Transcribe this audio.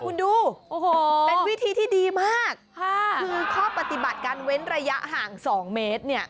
คุณดูโอ้โหเป็นวิธีที่ดีมากคือข้อปฏิบัติการเว้นระยะห่าง๒เมตรเนี่ย